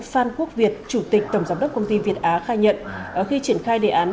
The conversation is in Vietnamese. phan quốc việt chủ tịch tổng giám đốc công ty việt á khai nhận khi triển khai đề án